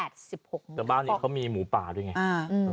แต่บ้านนี้เขามีหมูป่าด้วยไง